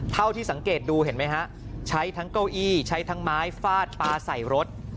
เท่าที่สังเกตดูเห็นไหมฮะใช้ทั้งเก้าอี้ใช้ทั้งไม้ฟาดปลาใส่รถ